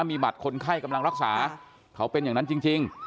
มีบัตรคนไข้กำลังรักษาเขาเป็นอย่างนั้นจริง